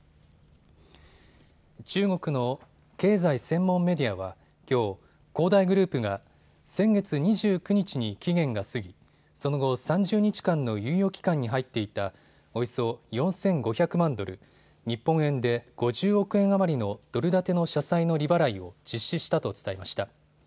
中国の経済専門メディアはきょう、恒大グループが先月２９日に期限が過ぎその後、３０日間の猶予期間に入っていたおよそ４５００万ドル、日本円で５０億円余りのドル建ての社債の利払いを実施したと伝えました。